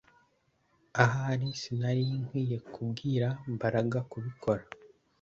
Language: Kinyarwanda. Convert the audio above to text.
Ahari sinari nkwiye kubwira Mbaraga kubikora